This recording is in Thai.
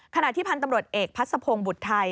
ขณะที่พันธุ์ตำรวจเอกพัศพงศ์บุตรไทย